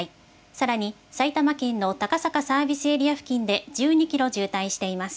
さらに、埼玉県のたかさかサービスエリア付近で１２キロ渋滞しています。